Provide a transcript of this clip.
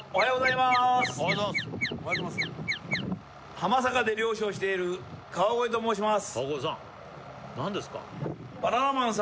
浜坂で漁師をしている川越と申します